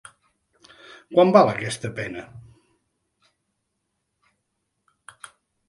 Quant val aquesta pena?